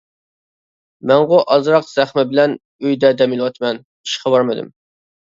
مەنغۇ ئازراق زەخمە بىلەن ئۆيدە دەم ئېلىۋاتىمەن، ئىشقا بارمىدىم.